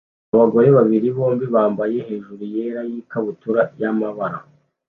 Abagore babiri bombi bambaye hejuru yera n'ikabutura y'amabara